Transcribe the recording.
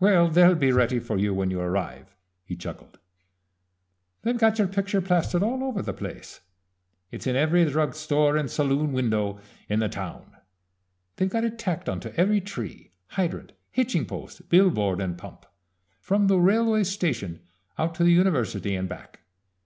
"Well, they'll be ready for you when you arrive," he chuckled. "They've got your picture plastered all over the place. It's in every drug store and saloon window in the town. They've got it tacked onto every tree, hydrant, hitching post, billboard, and pump, from the railway station out to the university and back.